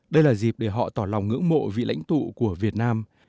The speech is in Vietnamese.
đây là dịp để họ tỏ lòng ngưỡng mộ vị lãnh tụ của việt nam